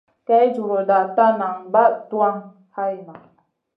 Kay juruda ta nan bah tuwan hayna.